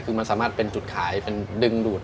คือมันสามารถเป็นจุดขายเป็นดึงดูด